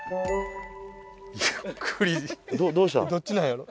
どっちなんやろ。